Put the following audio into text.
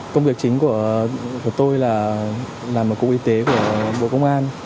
công việc chính của tôi là làm một cụ y tế của bộ công an